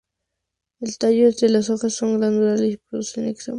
El tallo y las hojas son glandulares y producen un exudado pegajoso.